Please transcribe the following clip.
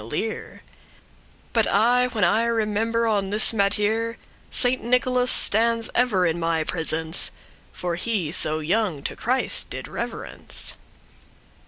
*innocent learn But aye when I remember on this mattere, Saint Nicholas <6> stands ever in my presence; For he so young to Christ did reverence.